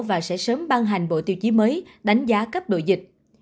và sẽ sớm ban hành bộ tiêu chí mới đánh giá cấp độ dịch